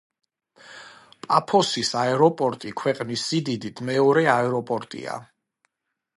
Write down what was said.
პაფოსის აეროპორტი ქვეყნის სიდიდით მეორე აეროპორტია.